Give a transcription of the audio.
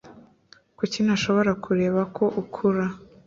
kuki ntashobora kureba ko ukura?